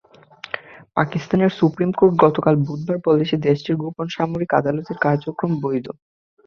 পাকিস্তানের supreme court গতকাল বুধবার বলেছেন, দেশটির গোপন সামরিক আদালতের কার্যক্রম বৈধ।